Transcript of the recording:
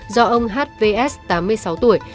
do ông hvs tám mươi sáu tuổi